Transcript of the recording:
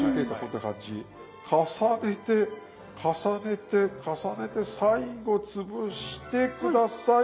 重ねて重ねて重ねて最後潰して下さい。